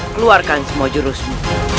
keluarkan semua jurusmu